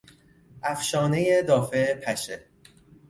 افشانهی دافع پشه